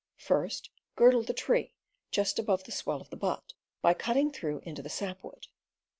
First girdle the tree just above the swell of the butt, by cutting through into the sap wood.